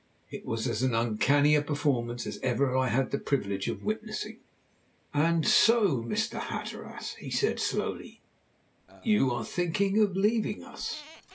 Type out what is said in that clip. It was as uncanny a performance as ever I had the privilege of witnessing. "And so, Mr. Hatteras," he said slowly, "you are thinking of leaving us?"